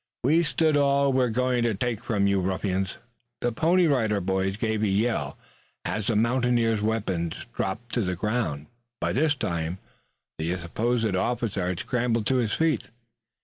We've stood all we're going to take from you ruffians." The Pony Rider Boys gave a yell as the mountaineer's weapon dropped to the ground. By this time the supposed officer had scrambled to his feet.